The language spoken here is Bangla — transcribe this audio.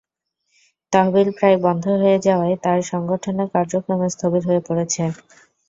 তহবিল প্রায় বন্ধ হয়ে যাওয়ায় তাঁর সংগঠনের কাযক্রম স্থবির হয়ে পড়েছে।